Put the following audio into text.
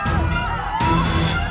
perbuatan dunia sana